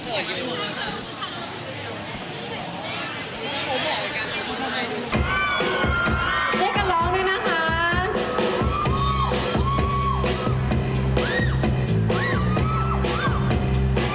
ใจฉันเริ่มจะหวั่นไหวกับคำถามที่ยังไม่ได้คำตอบ